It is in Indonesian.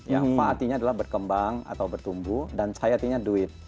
yang fatinya adalah berkembang atau bertumbuh dan cahayatinya duit